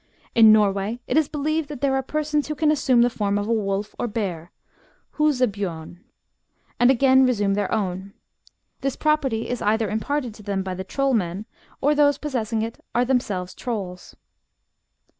In Norway it is believed that there are persons who can assume the form of a wolf or a bear (Huse bjom), and again resume their own; this property is either imparted to them by the Trollmen, or those possessing it are themselves Trolls.